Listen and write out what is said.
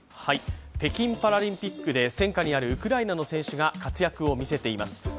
北京パラリンピックで、戦禍にあるウクライナの選手が活躍を見せています。